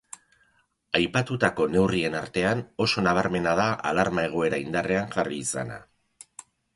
Aipatutako neurrien artean, oso nabarmena da alarma-egoera indarrean jarri izana.